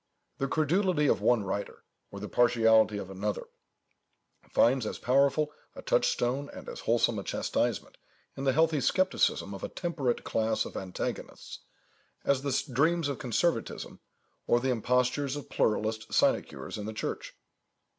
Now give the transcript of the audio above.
The credulity of one writer, or the partiality of another, finds as powerful a touchstone and as wholesome a chastisement in the healthy scepticism of a temperate class of antagonists, as the dreams of conservatism, or the impostures of pluralist sinecures in the Church.